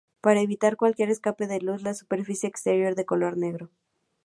Para evitar cualquier escape de luz, la superficie exterior es de color negro.